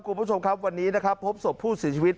คุณผู้ชมครับวันนี้พบศพผู้สิทธิวิต